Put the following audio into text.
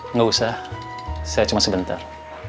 nggak usah saya cuma sebentar